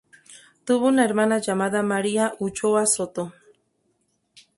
Tuvo una hermana llamada María Ulloa Soto.